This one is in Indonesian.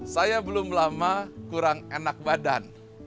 saya belum lama kurang enak badan